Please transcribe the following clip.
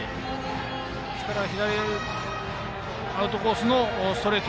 ですからアウトコースのストレート。